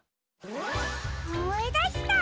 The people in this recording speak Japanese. おもいだした！